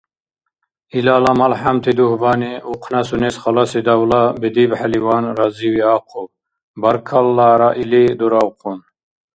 Илала малхӏямти дугьбани ухъна сунес халаси давла бедибхӏеливан разивиахъуб, баркаллара или дуравхъун.